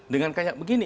dengan kayak begini